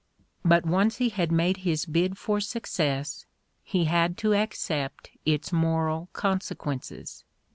But once he had made his bid for success, he had to accept its moral consequences.